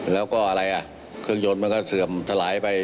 แล้วก็เครื่องยนต์มันก็เสื่อมสลายไป